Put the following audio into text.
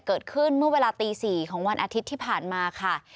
เกิดขึ้นเมื่อเวลาตี๔ของวันอาทิตย์ที่ผ่านมาค่ะ